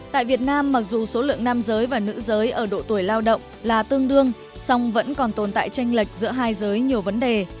tại việt nam mặc dù số lượng nam giới và nữ giới ở độ tuổi lao động là tương đương song vẫn còn tồn tại tranh lệch giữa hai giới nhiều vấn đề